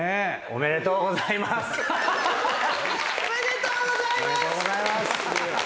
おめでとうございます！